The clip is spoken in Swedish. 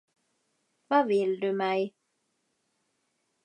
Vad vill du mig?